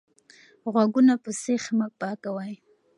غوږونه په سیخ مه پاکوئ.